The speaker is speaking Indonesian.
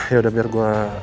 yaudah biar gue